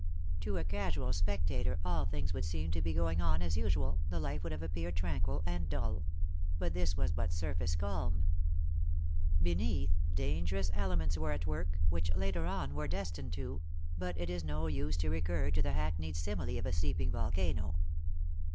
To a casual spectator, all things would seem to be going on as usual, the life would have appeared tranquil and dull; but this was but surface calm. Beneath, dangerous elements were at work, which later on were destined to but it is no use to recur to the hackneyed simile of a sleeping volcano.